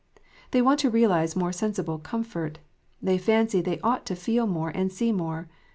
They want to realize more sensible comfort. They fancy they ought to feel more and see more.